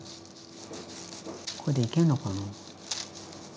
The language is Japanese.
これでいけんのかな。